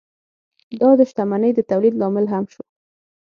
دا د شتمنۍ د تولید لامل هم شو.